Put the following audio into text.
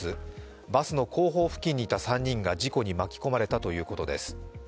バスの後方付近にいた３人が事故に巻き込まれたということです。